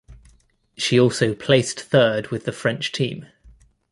She also placed third with the French team.